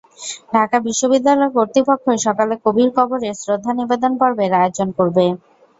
ঢাকা বিশ্ববিদ্যালয় কর্তৃপক্ষ সকালে কবির কবরে শ্রদ্ধা নিবেদন পর্বের আয়োজন করবে।